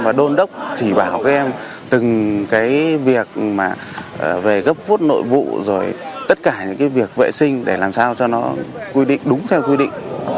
và đôn đốc chỉ bảo các em từng cái việc mà về gấp phút nội vụ rồi tất cả những cái việc vệ sinh để làm sao cho nó quy định đúng theo quy định